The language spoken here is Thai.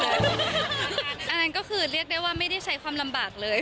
อันนั้นก็คือเรียกได้ว่าไม่ได้ใช้ความลำบากเลย